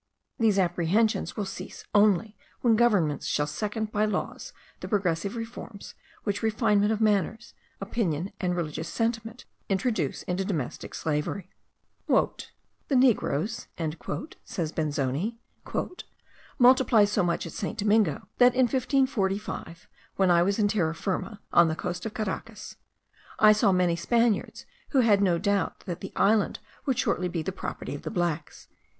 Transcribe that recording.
These apprehensions will cease only where governments shall second by laws the progressive reforms which refinement of manners, opinion, and religious sentiment, introduce into domestic slavery. "The negroes," says Benzoni, "multiply so much at St. Domingo, that in 1545, when I was in Terra Firma [on the coast of Caracas], I saw many Spaniards who had no doubt that the island would shortly be the property of the blacks."